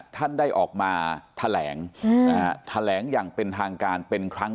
ท่านได้ออกมาแถลงแถลงอย่างเป็นทางการเป็นครั้ง